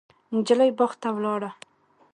نجلۍ باغ ته ولاړه.